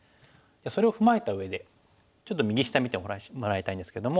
それを踏まえたうえでちょっと右下見てもらいたいんですけども。